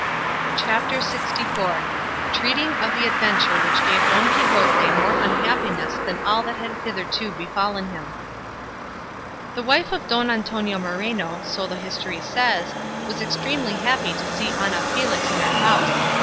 CHAPTER LXIV. TREATING OF THE ADVENTURE WHICH GAVE DON QUIXOTE MORE UNHAPPINESS THAN ALL THAT HAD HITHERTO BEFALLEN HIM The wife of Don Antonio Moreno, so the history says, was extremely happy to see Ana Felix in her house.